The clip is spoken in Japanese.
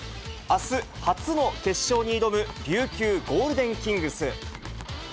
あす、初の決勝に挑む琉球ゴールデンキングス。